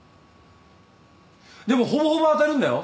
でもほぼほぼ当たるんだよ。